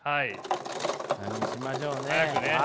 何にしましょうね。